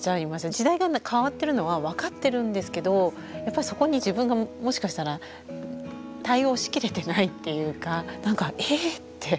時代が変わってるのは分かってるんですけどやっぱりそこに自分がもしかしたら対応しきれてないっていうかなんかえって。